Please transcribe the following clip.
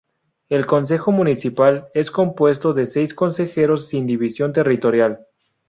El consejo municipal es compuesto de seis consejeros sin división territorial.